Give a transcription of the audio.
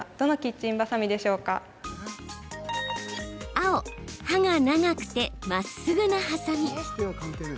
青・刃が長くてまっすぐなハサミ。